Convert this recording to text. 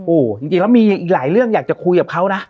โอ้โหจริงแล้วมีอีกหลายเรื่องอยากจะคุยกับเขานะ